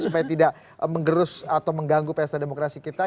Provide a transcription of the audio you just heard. supaya tidak mengerus atau mengganggu pesta demokrasi kita